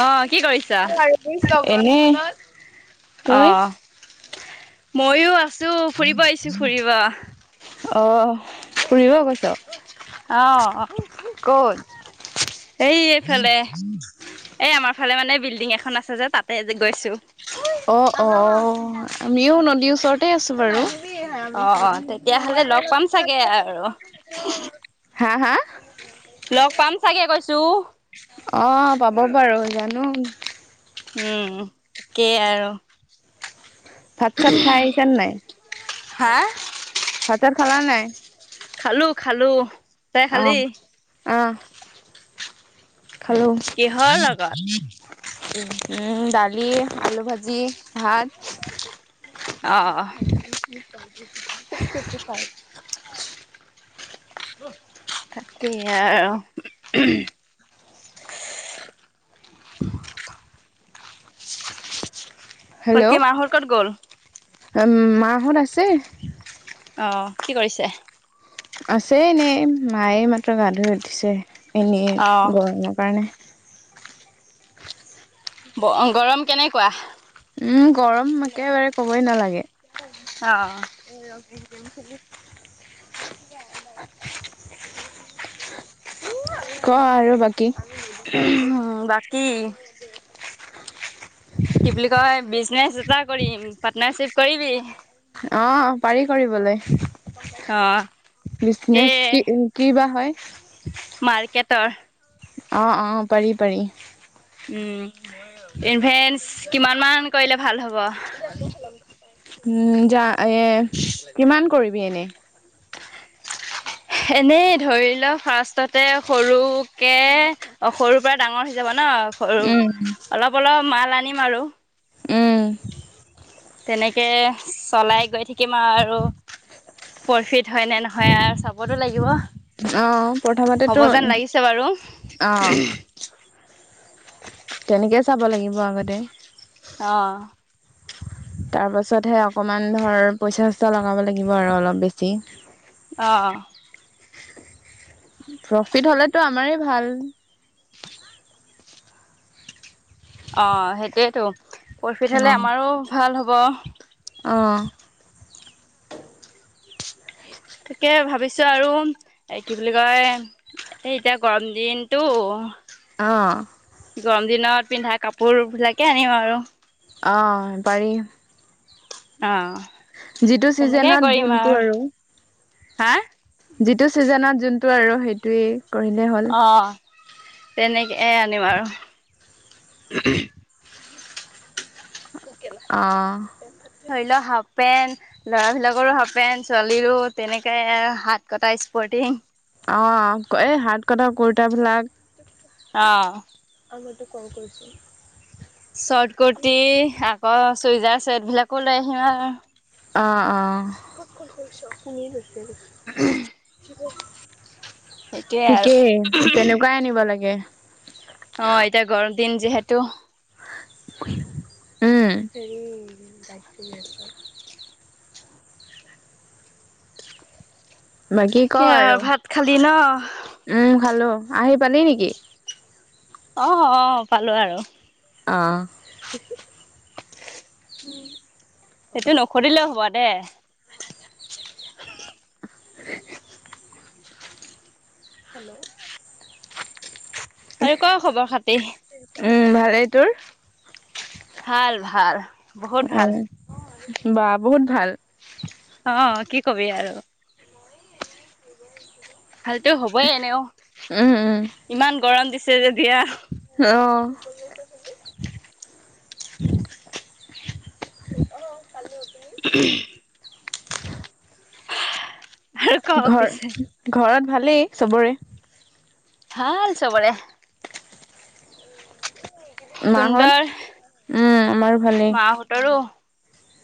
অহ, কি কৰিছা? তই অ'। ময়ো আছোঁ ফুৰিব আহিছো, ফুৰিব। অ', ফুৰিব গৈছ'। অ', অ'। এই এইফালে, এই আমাৰ ফালে মানে বিল্ডিং এখন আছে যে তাতে আজি গৈছো। অহ, আমিও নদীৰ ওচৰতে আছোঁ বাৰু। অ', তেতিয়াহ'লে লগ পাম চাগে আৰু। হা, হা লগ পাম চাগে কৈছোঁ। অ', পাব বাৰু জানোঁ। উম, কেই আৰু। ভাত, চাত খাই আহিছানে নাই? হা ভাত, চাত খালা নাই? খালোঁ, খালোঁ। অ', অ'। খালোঁ। কিহৰ লগত? উম, দালি, আলু ভাজি, ভাত। অ' ছিক্স ফিফটি ফাইভ। তাকেই, আৰু। বাকী হেল্ল' মাহঁত ক'ত গ'ল? মাহঁত আছে। অ', কি কৰিছে? আছে এনেই, মায়ে এইমাত্ৰ গা ধুই উঠিছে, অ', এনেই গৰমৰ কাৰণে। ব-গৰম কেনেকুৱা? উম, গৰম একেবাৰে ক'বই নালাগে। অ'। [unintelligible] [unintelligible] ক' আৰু বাকী। কি? কি বুলি কয় বিজনেচ এটা কৰিম, পাৰ্টনাৰশ্বিপ কৰিবি? অ', পাৰি কৰিবলৈ। অ তে বিজনেছ কি, কি বা হয়? মাৰ্কেটৰ। অ', অ, পাৰি পাৰি। উম, ইনভেষ্ট কিমান মান কৰিলে ভাল হ'ব? উম, যা এ কিমান কৰিবি এনে? [inaudible] এনেই ধৰি ল' ফাৰ্ষ্টতে সৰুকে সৰু পৰা ডাঙৰ যাব ন, সৰু উম অলপ অলপ মাল আনিম আৰু। উম। এনেকে চলাই গৈ থাকিম আৰু। প্ৰফিট হয় নে নহয় আৰু চাবতো লাগিব। অ প্ৰথমতেতো হ'ব যেন লাগিছে বাৰু! অ তেনেকেই চাব লাগিব আগতে। অ তাৰ পাছতহে, অকমান ধৰ পইচা-চইচা লগাব লাগিব আৰু অলপ বেছি। অ প্ৰফিট হ'লেটো আমাৰে ভাল। অ' সেইটোয়েইেতো প্ৰফিট হলে আমাৰো ভাল হ'ব। অহ। গতিকে ভাবিছো আৰু এ কি বুলি কয়। এতিয়া গৰম দিনটো অ গৰম দিনত পিন্ধা কাপোৰ বিলাকে আনিম আৰু। অ' পাৰি। অহ। যিটো চিজনত যোনটো আৰু হা। যিটো ছিজনত যোনটো আৰু সেইটোৱেই। কৰিলেই হ'ল অ' তেনেকেই আনিম আৰু অহ। ধৰি ল হাফ হাফ পেণ্ট, ল'ৰা বিলাকৰো হাফ পেণ্ট, ছোৱালীৰো তেনেকে হাত কটা স্পৰ্টিং। অ' এই হাত কটা কুৰ্তাবিলাক অহ। মইতো কল কৰিছো। চৰ্ট কুৰ্তি আকৌ চুইজাৰ চেট বিলাকো লৈ আহিম আৰু। অ' অ'। [unintelligible] সেইটোৱে আৰু ঠিকেইে তেনেকুৱাই আনিব লাগে। অ' এতিয়া গৰম দিন যিহেতু উম। বাকী ক তাকে আৰু ভাত খালি ন উম, খালো। আহি পালি নেকি? অ', অ ', পালো আৰু। অ', সেইটো নখৰিলেও হ'বা দে। উ [inaudible] হেল্ল', আৰু ক খবৰ - খাতি? উম, ভালেই তোৰ? ভাল-ভাল বহুত অঁ ভাল। বা বহুত ভাল। অ, কি কবি আৰু। ভালতো হবই এনেও ইমান গৰম দিছে যেতিয়া। অহ', [inaudible] পালো আৰু ক [unintelligible] পিছে ঘৰত - ঘৰত ভালেই চবৰে? ভাল চবৰে। মাহত তুন্দৰ উম, আমাৰো ভালেই। মাহঁতৰো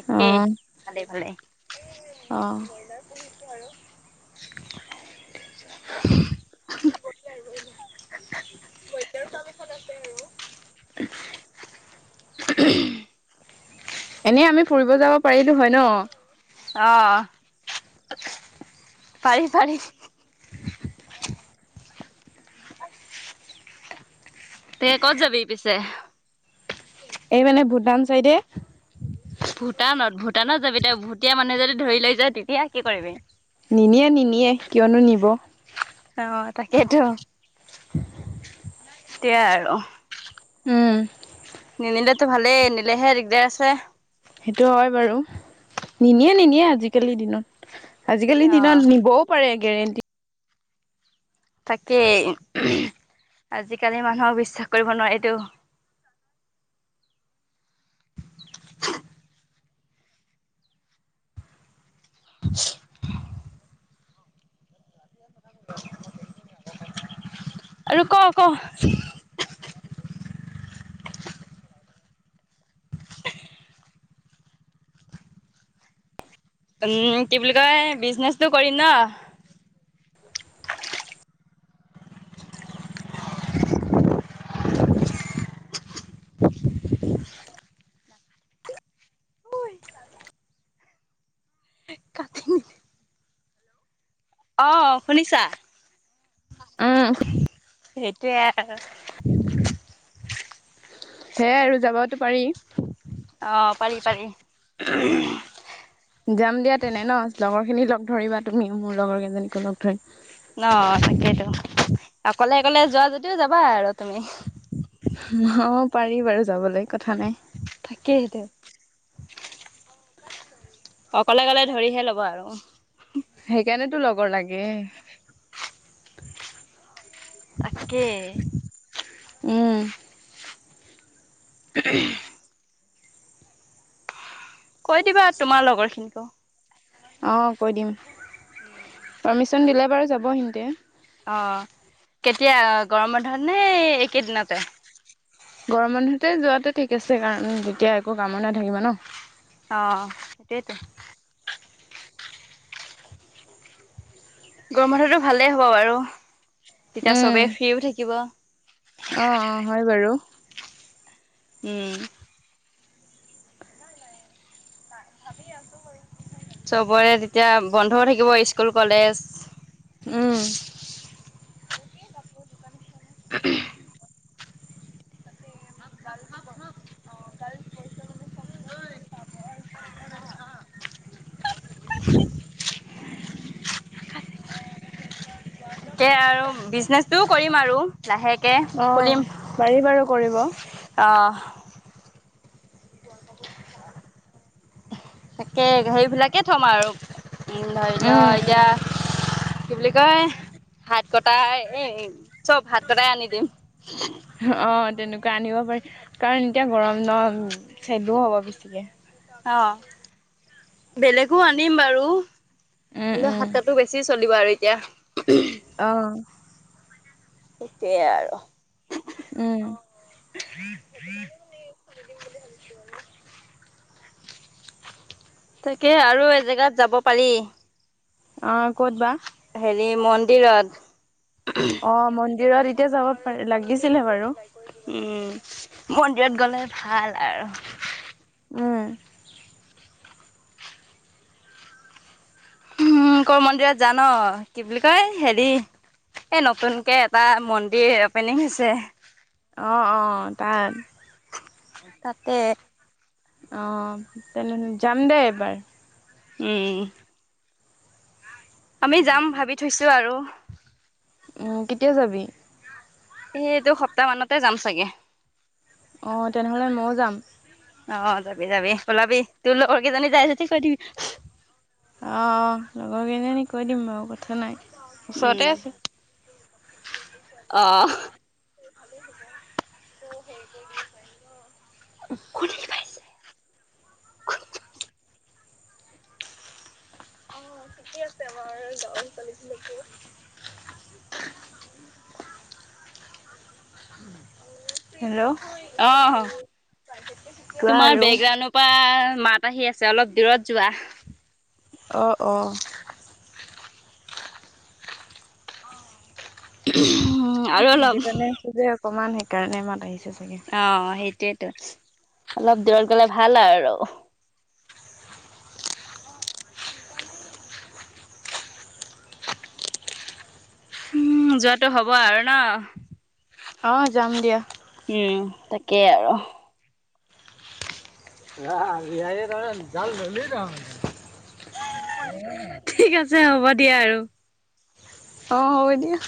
একেই ভালে-ভালে। অহ ', [inaudible] বইলাৰ চামিখত আছে আৰু। [inaudible] এনেই আমি ফুৰিব যাব পাৰিলো হয় ন। অ', পাৰি-পাৰি। তে ক'ত যাবি পিছে? এইপিনে ভূটান চাইডে। ভূটানত-ভূটানত যাবি তেওঁ ভুটীয়া মানুহে যদি ধৰি লৈ যায় তেতিয়া কি কৰিবি? নিনিয়ে-নিনিয়ে কিয়নো নিব। অ, তাকেইেতো। [inaudible] তেয়াই আৰু উম, নিনিলেতো ভালেই নিলেহে দিগদাৰ আছে। সেইটো হয় বাৰু নিনিয়ে-নিনিয়ে আজিকালিৰ দিনত। আজিকালিৰ অ দিনত নিবও পাৰে গেৰেণ্টি তাকেই, আজিকালি মানুহক বিশ্বাস কৰিব নোৱাৰিতো। [unintelligible] [unintelligible] [inaudible] আৰু ক, ক। উ, কি বুলি কয়, বিজনেচটো কৰিম ন? অ', শুনিছা? উম সেইটোয়ে আৰ সেয়াই আৰু যাবতো পাৰি। অ', পাৰি, পাৰি। যাম দিয়া তেনে ন, লগৰ খিনি লগ ধৰিবা তুমিও মোৰ লগৰ কেইজনীকো লগ ধৰিম। ন, তাকেইেতো অকলে অকলে যোৱা যদিও যাবা আৰু তুমি। অ', পাৰি বাৰু যাবলৈ কথা নাই। তাকেইতু। অকলে গ'লে ধৰিহে ল'ব আৰু। সেইকাৰণেতো লগৰ লাগে। তাকে। উ। [unintelligible] কৈ দিবা তোমাৰ লগৰ খিনিকো। অ', কৈ দিম। পাৰ্মিশন দিলে বাৰু যাব সিহঁতে। অ', কেতিয়া গৰম বন্ধতনে এইকেইদিনতে? গৰম বন্ধতে যোৱাতটো ঠিক আছে কাৰণ, তেতিয়া একো কামো নাথাকিব ন? অ', টেইতো। গৰমবন্ধতো ভালেই হ'ব বাৰু, তেতিয়া উম চবে ফ্ৰীও থাকিব। অ অ হয় বাৰু উ। ভাবি আছো বাৰু। চবৰে তেতিয়া বন্ধও থাকিব স্কুল-কলেজ। উ। [unintelligible] [unintelligible] তাকে আৰু বিজনেচটোও কৰিম আৰু লাহেক কে অ' খুলিম পাৰি বাৰু কৰিব। অ, যা [inaudible] তাকে হেৰিবিলাকে থ'ম আৰু ধৰি লও উম এতিয়া কি বুলি কয় ভাত কটাই এ চব ভাত কটাই আনি দিম। অ, তেনেকুৱা আনিব পাৰি কাৰণ এতিয়া গৰম নম চেদো হ'ব বেছিকে। অ', বেলেগো আনিম বাৰু উম হলেও উম। হাত কটো বেছি চলিব আৰু এতিয়া। অহ। সেয়ে আৰু উম তাকে আৰু এজেগাত যাব পাৰি। অ' ক'দ বা হেৰি মন্দিৰত। অ' মন্দিৰত এতিয়া যাব পাৰি লাগিছিলহে বাৰু। উম, মন্দিৰত গলে ভাল আৰু উম উ, লোকৰ মন্দিৰত জান কি বুলি কয় হেৰি। এই নতুনকে এটা মন্দিৰ অপেনিং হৈছে। অ, অ' তাৰ। তাতে। অ' তেনে যাম দেই এবাৰ। উম। আমি যাম ভাবি থৈছো আৰু। উম, কেতিয়া যাবি। এইটো সপ্তাহ মানতে যাম চাগে। অ' তেনেহ'লে ময়ো যাম। অ যাবি যাবি ওলাবি তোৰ লগৰ কেইজনী যাই যদি কৈ দিবি। অ' লগৰ কেইজনী কৈ দিম বাৰু কথা নাই ওচৰতে আছে। অহ। অ' হেই গ দ পাই। খুৰি পাইছে। অ' ঠিকে আছে বাৰ গাল ছোৱালীলিকো। [inaudible] হেল্ল'। অঁ, কোৱা তোমাৰ আৰু। বেকগ্ৰাউনডৰ পৰা মাত আহি আছে অলপ দূৰত যোৱা। অ অ। [unintelligible] এ আৰু মই অলপ নদতি পানে আছো যে অকমান সেইকাৰণে মাত আহিছো অঁ, সেইটোৱেতো অলপ দূৰত গলে ভাল আৰু আৰু উম যোৱাটো হ'ব আৰু ন? অঁ, যাম দিয়া। উম তাকেই আৰু অঁ, বিহাই ই তা মানে জাল ললি তা মানে? ঠিক আছে হ'ব দিয়া আৰু। অঁ, হব দিয়া।